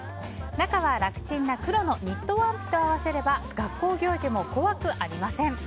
中は楽ちんな黒のニットワンピと合わせれば学校行事も怖くありません。